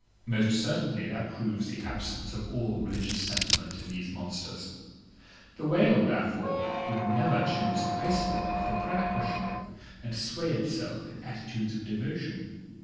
Most certainly that proves the absence of all religious sentiment in these monsters. The whale, therefore, would never choose an ice block for prayer cushion, and sway itself in attitudes of devotion.